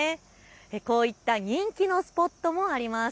こういった人気のスポットもあります。